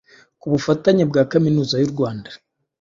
ku bufatanye bwa Kaminuza y’u Rwanda